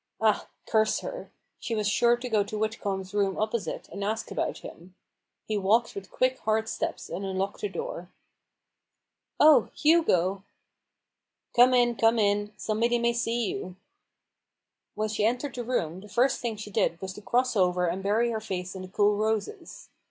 Ah, curse her ! She was sure to go to Whitcomb's rooms opposite, and ask about him. He walked with quick, hard steps, and unlocked the door. 150 A BOOK OF BARGAINS. "Oh, Hugo!" 11 Come in, come in ! somebody may see you," When she entered the room, the first thing she did was to cross over and bury her face in the cool roses.